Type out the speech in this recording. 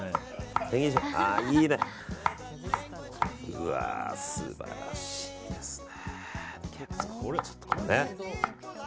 うわー、素晴らしいですね。